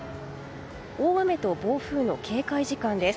大雨と暴風の警戒時間です。